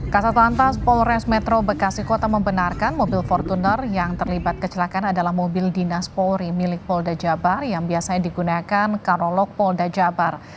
kasat lantas polres metro bekasi kota membenarkan mobil fortuner yang terlibat kecelakaan adalah mobil dinas polri milik polda jabar yang biasanya digunakan karolog polda jabar